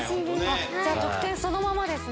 じゃあ、得点そのままですね。